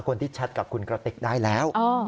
คนที่ชัดกับคุณกระติกได้แล้ว